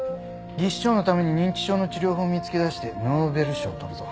技師長のために認知症の治療法見つけ出してノーベル賞取るぞ。